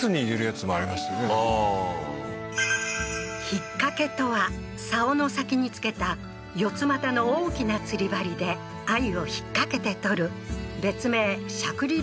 ひっかけとは竿の先に付けた四つまたの大きな釣り針で鮎を引っ掛けて獲る別名しゃくり